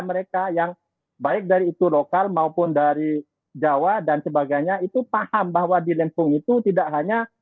mereka yang baik dari itu lokal maupun dari jawa dan sebagainya itu paham bahwa di lempung itu tidak hanya